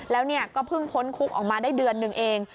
แล้วก็เพิ่งพ้นคุกออกมาได้เดือนหนึ่งเอง